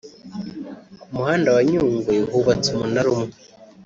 Ku muhanda wa Nyungwe hubatse umunara umwe